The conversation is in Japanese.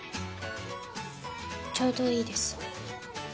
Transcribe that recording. ちょうどいいです。